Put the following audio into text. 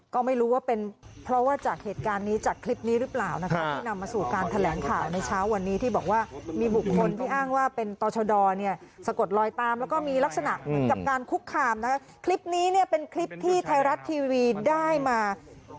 ก็ไม่รู้ว่าเป็นเพราะว่าจากเหตุการณ์นี้จากคลิปนี้หรือเปล่านะครับที่นำมาสู่การแถลงข่าวในเช้าวันนี้ที่บอกว่ามีบุคคลที่อ้างว่าเป็นตอชดอเนี่ยสะกดลอยตามแล้วก็มีลักษณะกับการคุกคามนะครับคลิปนี้เนี่ยเป็นคลิปที่ไทยรัฐทีวีได้มาเมื่อไหร่นะครับแล้วก็มีบุคคลที่อ้างว่าเป็นตอชดอเนี่